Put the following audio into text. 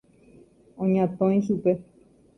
Oñatõi chupe.